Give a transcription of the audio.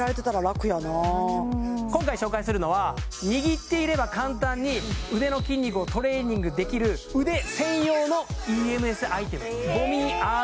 今回紹介するのは握っていれば簡単に腕の筋肉をトレーニングできる腕専用のＥＭＳアイテム